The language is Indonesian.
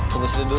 tunggu sini dulu